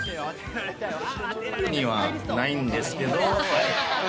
特にはないんですけれども。